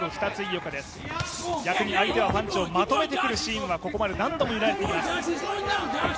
逆に相手はパンチをまとめてくるシーンはここまで何度も見られています。